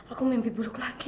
aku mimpi buruk lagi